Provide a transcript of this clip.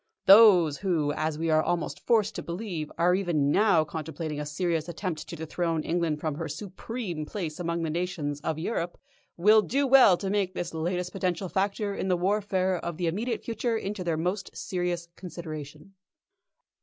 Those who, as we are almost forced to believe, are even now contemplating a serious attempt to dethrone England from her supreme place among the nations of Europe, will do well to take this latest potential factor in the warfare of the immediate future into their most serious consideration."